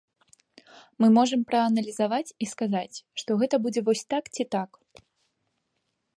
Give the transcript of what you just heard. Мы можам прааналізаваць і сказаць, што гэта будзе вось так ці так.